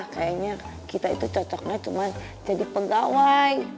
kayaknya kita itu cocoknya cuma jadi pegawai